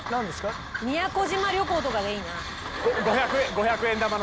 宮古島旅行とかがいいな！